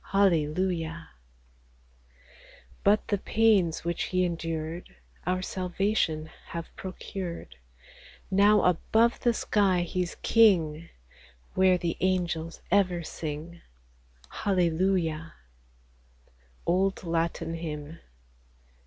Hallelujah ! But the pains which He endured Our salvation have procured ; Now above the sky He's King, Where the angels ever sing, — Hallelujah ! Old Latin Hymn.